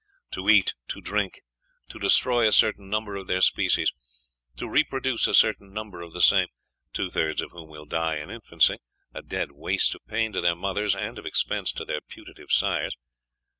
To eat, to drink; to destroy a certain number of their species; to reproduce a certain number of the same, two thirds of whom will die in infancy, a dead waste of pain to their mothers and of expense to their putative sires....